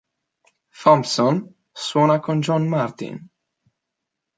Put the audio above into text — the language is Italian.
Thompson suona con John Martyn.